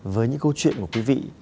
với những câu chuyện của quý vị